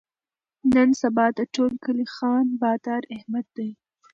نن سبا د ټول کلي خان بادار احمد دی.